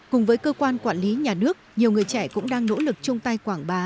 cùng với cơ quan quản lý nhà nước nhiều người trẻ cũng đang nỗ lực chung tay quảng bá